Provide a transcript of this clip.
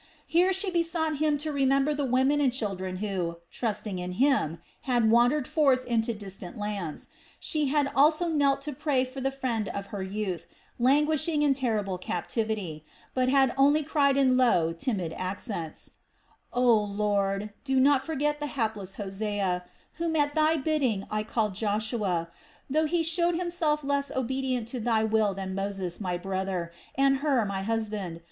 Here she besought Him to remember the women and children who, trusting in Him, had wandered forth into distant lands. She had also knelt to pray for the friend of her youth, languishing in terrible captivity; but had only cried in low, timid accents: "Oh, Lord, do not forget the hapless Hosea, whom at Thy bidding I called Joshua, though he showed himself less obedient to Thy will than Moses, my brother, and Hur, my husband.